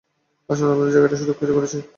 অসাধারণ, আমরা জায়গাটা সুরক্ষিত করেছি।